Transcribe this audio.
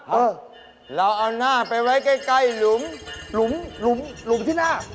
เออเราเอาหน้าไปไว้ใกล้หลุมที่หน้า